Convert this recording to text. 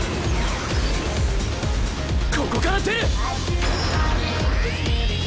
ここから出る！